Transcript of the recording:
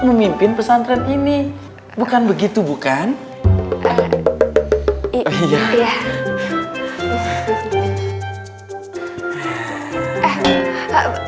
memimpin pesantren ini bukan begitu bukan iya iya